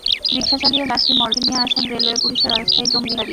রিকশা চালিয়ে লাশটি মর্গে নিয়ে আসেন রেলওয়ে পুলিশের অস্থায়ী ডোম বিহারি।